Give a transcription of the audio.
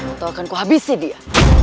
atau akan kuhabisi dia